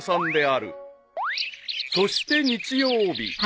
［そして日曜日］